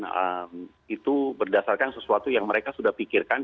nah itu berdasarkan sesuatu yang mereka sudah pikirkan